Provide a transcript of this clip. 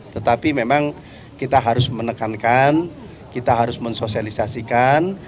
tetapi memang kita harus menekankan kita harus mensosialisasikan